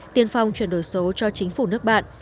tiên phong chuyển đổi số cho chính phủ nước bạn